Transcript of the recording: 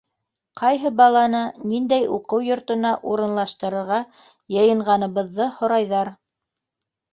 Ҡайһы баланы ниндәй уҡыу йортона урынлаштырырға йыйынғаныбыҙҙы һорайҙар.